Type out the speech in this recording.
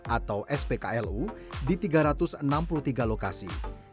atau spklu di tiga ratus enam puluh tiga lokasi